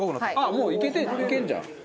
もういけるじゃん。